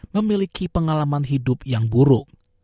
memiliki pengalaman hidup yang buruk